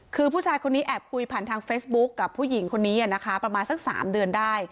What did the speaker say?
คือผู้ชายคนนี้แอบคุยผ่านทางเฟซบุ๊คกับผู้หญิงคนนี้นะคะประมาณสัก๓เดือนได้